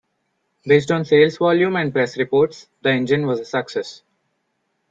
Based on sales volume and press reports, the engine was a success.